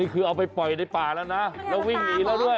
คือเอาไปปล่อยในป่าแล้วนะแล้ววิ่งหนีแล้วด้วย